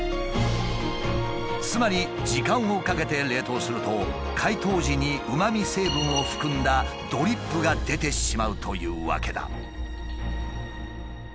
つまり時間をかけて冷凍すると解凍時にうまみ成分を含んだドリップが出てしまうというわけだ。